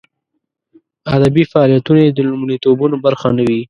ادبي فعالیتونه یې د لومړیتوبونو برخه نه وي.